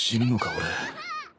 俺